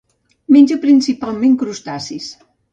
Menja principalment crustacis.